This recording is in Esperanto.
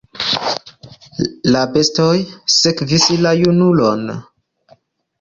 La bestoj sekvis la junulon.